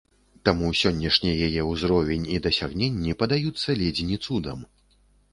Таму сённяшні яе ўзровень і дасягненні падаюцца ледзь ні цудам.